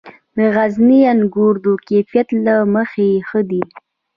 د غزني انګور د کیفیت له مخې ښه دي.